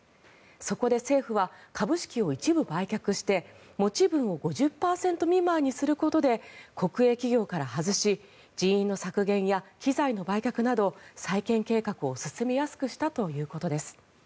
そこで政府は株式を一部売却して持ち分を５０％未満にすることで国営企業から外し人員の削減や機材の売却など再建計画を進めやすくしたということです。